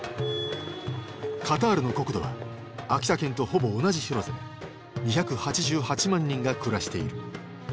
カタールの国土は秋田県とほぼ同じ広さで２８８万人が暮らしている。